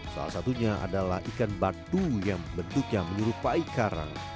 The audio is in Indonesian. salah satunya adalah ikan batu yang bentuknya menyerupai karang